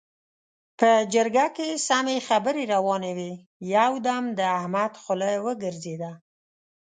په جرګه کې سمې خبرې روانې وې؛ يو دم د احمد خوله وګرځېده.